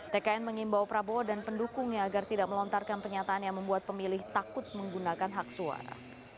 tkn mengimbau prabowo dan pendukungnya agar tidak melontarkan pernyataan yang membuat pemilih takut menggunakan hak suara